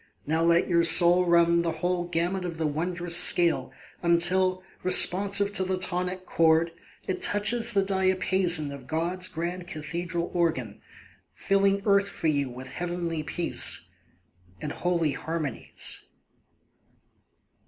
Now let your soul run the whole gamut of the wondrous scale Until, responsive to the tonic chord, It touches the diapason of God's grand cathedral organ, Filling earth for you with heavenly peace And holy harmonies.